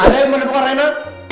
anda yang menunggu rena